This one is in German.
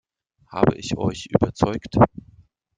Habe ich euch überzeugt?